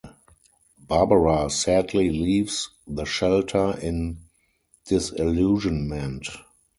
Barbara sadly leaves the shelter in disillusionment.